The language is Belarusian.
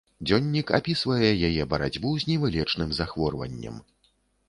Дзённік апісвае яе барацьбу з невылечным захворваннем.